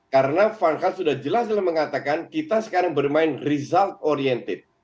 karena van gaal sudah jelas dalam mengatakan kita sekarang bermain result oriented